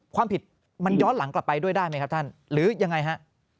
ความผิดมันย้อนหลังกลับไปด้วยได้ไหมครับท่านหรือยังไงฮะ